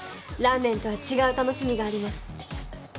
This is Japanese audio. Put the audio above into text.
ラーメンとは違う楽しみがあります。